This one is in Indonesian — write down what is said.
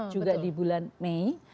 juga di bulan mei